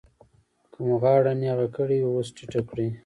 که مو غاړه نېغه کړې وي اوس ټیټه کړئ.